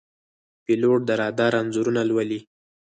پیلوټ د رادار انځورونه لولي.